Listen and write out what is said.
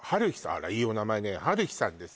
あらいいお名前ね春灯さんです